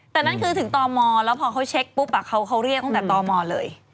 แต่นั่นคือถึงตมแล้วพอเขาเช็คปุ๊บเขาเรียกตั้งแต่ตมเลย